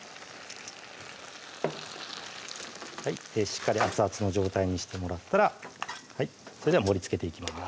しっかり熱々の状態にしてもらったらそれでは盛りつけていきます